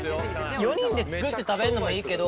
４人で作って食べるのもいいけど。